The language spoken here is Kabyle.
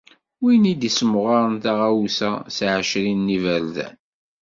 Win i d-issemɣaren taɣawsa s εecrin n yiberdan.